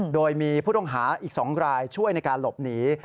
โดยมีผู้ต้องหาอีก๒รายช่วยในการหลบหนี